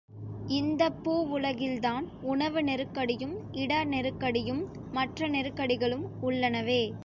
இந்தப் பூவுலகில்தான் உணவு நெருக்கடியும் இட நெருக்கடியும் மற்ற நெருக்கடிகளும் உள்ளனவே!